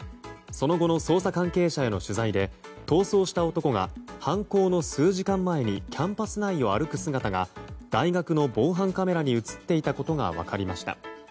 その後の捜査関係者への取材で逃走した男が、犯行の数時間前にキャンパス内を歩く姿が大学の防犯カメラに映っていたことが分かりました。